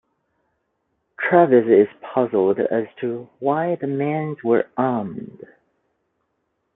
Travis is puzzled as to why the men were armed.